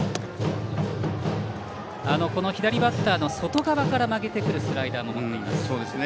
左バッターの外側から曲げてくるスライダーも持っています。